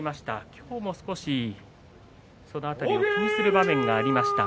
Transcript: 今日も少し、その辺りを気にする場面がありました。